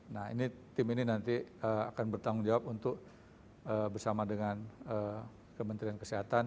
nah ini tim ini nanti akan bertanggung jawab untuk bersama dengan kementerian kesehatan